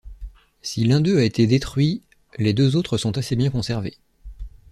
Si l’un d’eux a été détruit les deux autres sont assez bien conservés.